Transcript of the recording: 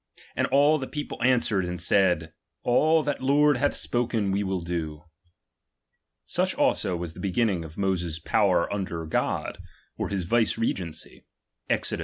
And all the people an swered, and said : All that the Lord hath spohen we will do. Such also was the beginning of Moses's power under God, or his vicegerency, {Exod.